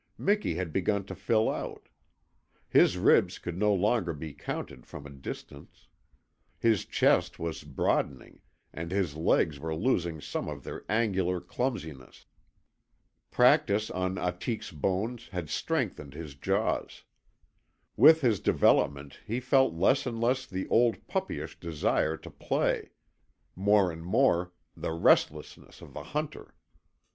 Miki had begun to fill out. His ribs could no longer be counted from a distance. His chest was broadening and his legs were losing some of their angular clumsiness. Practice on Ahtik's bones had strengthened his jaws. With his development he felt less and less the old puppyish desire to play more and more the restlessness of the hunter.